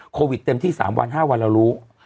โควิดเต็มที่๓๕วันเรารู้